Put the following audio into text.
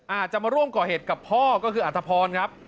อาจจะมาร่วมก่อเหตุกับพ่อก็คืออัธพรครับ